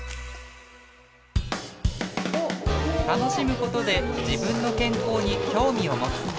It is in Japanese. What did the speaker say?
楽しむことで自分の健康に興味を持つ。